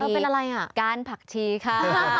เป็นอะไรอ่ะการผักชีค่ะ